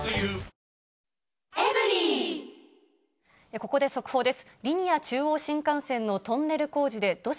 ここで速報です。